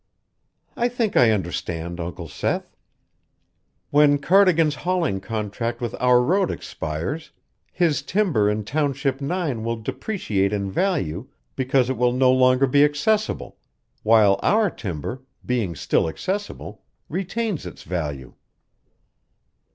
"I think I understand, Uncle Seth. When Cardigan's hauling contract with our road expires, his timber in Township Nine will depreciate in value because it will no longer be accessible, while our timber, being still accessible, retains its value."